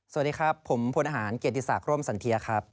สวัสดีครับผมพลทหารเกดีศากร่มสันเทียครับ